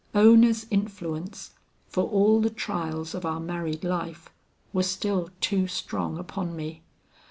Ona's influence, for all the trials of our married life, was still too strong upon me.